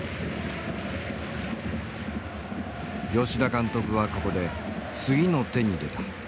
吉田監督はここで次の手に出た。